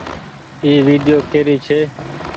اي ويڊيو ڪيري ڇي۔